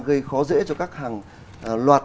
gây khó dễ cho các hàng loạt